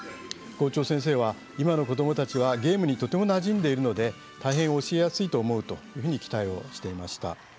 校長先生は今の子どもたちはゲームにとてもなじんでいるので大変教えやすいと思うというふうに期待をしていました。